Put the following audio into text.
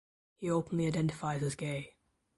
He openly identifies as gay.